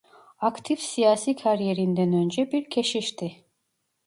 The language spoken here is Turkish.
Aktif siyasi kariyerinden önce bir keşişti.